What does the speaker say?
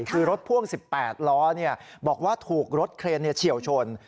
คือรถพ่วง๑๘ล้อบอกว่าถูกรถเครนเฉียวชน